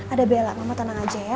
ada bella mama tenang aja ya